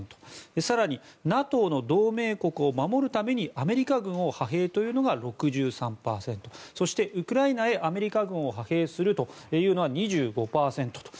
更に、ＮＡＴＯの同盟国を守るためにアメリカ軍を派兵というのが６３％そして、ウクライナへアメリカ軍を派兵するというのは２５％と。